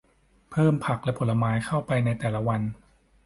เพิ่มผักและผลไม้เข้าไปในแต่ละวัน